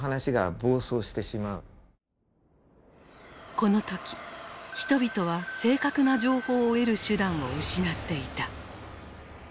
この時人々は正確な情報を得る手段を失っていた。